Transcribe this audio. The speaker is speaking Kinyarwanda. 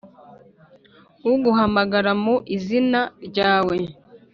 uguhamagara mu izina ryawe.